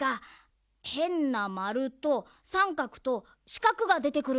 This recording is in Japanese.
へんなまるとさんかくとしかくがでてくる。